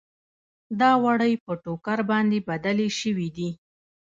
دا وړۍ په ټوکر باندې بدلې شوې دي.